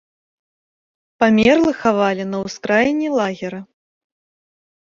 Памерлых хавалі на ўскраіне лагера.